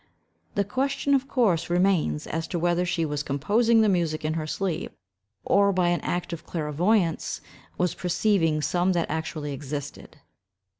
The question, of course, remains, as to whether she was composing the music in her sleep, or, by an act of clairvoyance, was perceiving some that actually existed.